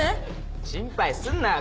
心配すんなよ